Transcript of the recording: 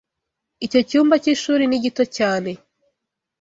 Icyo cyumba cy'ishuri ni gito cyane.